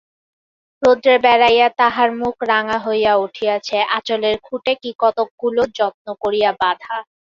রৌদ্রে বেড়াইয়া তাহার মুখ রাঙা হইয়া উঠিয়াছে, আঁচলের খুটে কী-কতকগুলা যত্ন করিয়া বাঁধা।